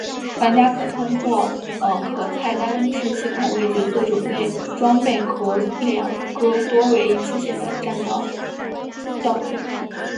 玩家通过可菜单制系统为角色准备装备和两个多为一次性的战斗道具。